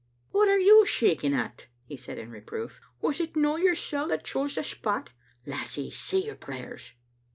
"What are you shaking at?" he said in reproof. " Was it no yoursel' that chose the spot? Lassie, say your prayers.